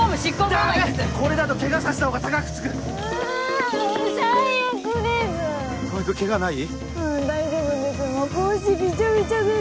はい大丈夫です